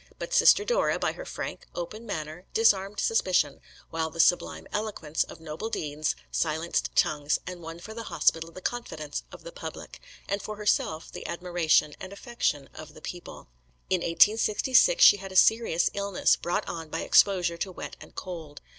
But Sister Dora, by her frank, open manner, disarmed suspicion, while the sublime eloquence of noble deeds silenced tongues, and won for the hospital the confidence of the public, and for herself the admiration and affection of the people. In 1866 she had a serious illness, brought on by exposure to wet and cold.